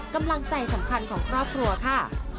กำลังใจสำคัญของครอบครัวค่ะ